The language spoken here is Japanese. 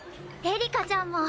エリカちゃんも。